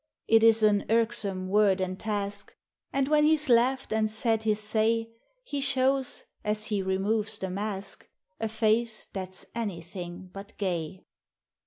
257 It is an irksome word and task; And, when he 's laughed and said his say, He shows, as he removes the mask, A face that 's anything but gay.